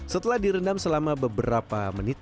setelah direndam selama beberapa menit